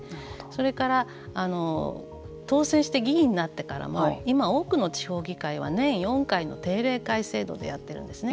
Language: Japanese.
それから、当選して議員になってからも今、多くの地方議会は年４回の定例会制度でやっているんですね。